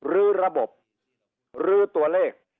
ลื้อระบบลื้อตัวเลข